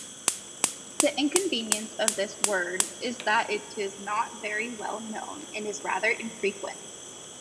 The inconvenience of this word is that it is not very well known and is rather infrequent.